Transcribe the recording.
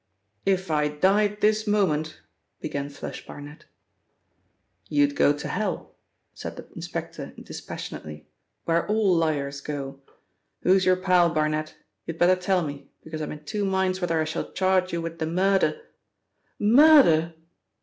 "If I died this moment " began 'Flush' Barnet. "You'd go to hell," said the inspector dispassionately, "where all liars go. Who is your pal, Barnet? You'd better tell me, because I'm in two minds whether I shall charge you with the murder " "Murder!"